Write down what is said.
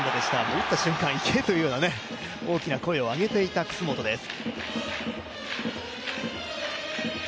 打った瞬間、いけーというような大きな声を上げていた楠本です。